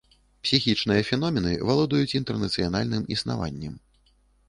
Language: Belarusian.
Псіхічныя феномены валодаюць інтэрнацыянальным існаваннем.